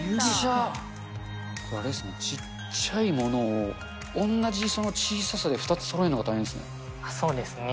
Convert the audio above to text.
あれですね、ちっちゃいものをおんなじ小ささで２つそろえるのが大変ですね。